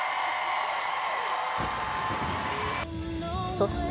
そして、